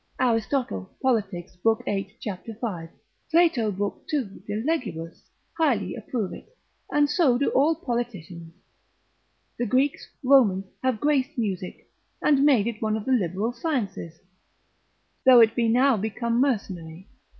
Aristotle, Polit. l. 8. c. 5, Plato 2. de legibus, highly approve it, and so do all politicians. The Greeks, Romans, have graced music, and made it one of the liberal sciences, though it be now become mercenary.